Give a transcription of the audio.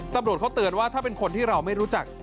ตำรวจเขาเตือนว่าถ้าเป็นคนที่เราไม่รู้จัก